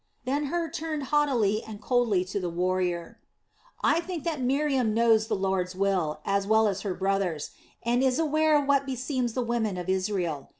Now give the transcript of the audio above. Then Hur turned haughtily and coldly to the warrior: "I think that Miriam knows the Lord's will, as well as her brother's, and is aware of what beseems the women of Israel.